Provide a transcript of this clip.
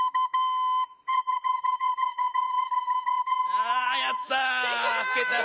わあやった！